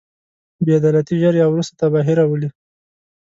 بې عدالتي ژر یا وروسته تباهي راولي.